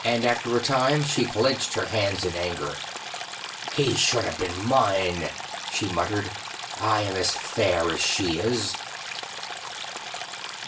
And after a time she clenched her hands in anger. 'He should have been mine,' she muttered, 'I am as fair as she is.